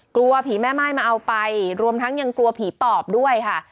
กลัวผีแม่ม่ายมาเอาไปรวมทั้งยังกลัวผีปอบด้วยค่ะ